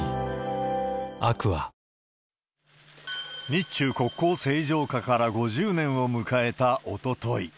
日中国交正常化から５０年を迎えたおととい。